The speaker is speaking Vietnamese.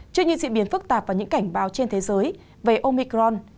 chương trình diễn biến phức tạp và những cảnh báo trên thế giới về omicron